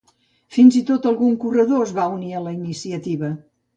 Fins i tot, algun corredor es va unir a la iniciativa.